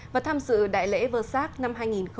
và tham dự đại lễ vơ sát năm hai nghìn một mươi chín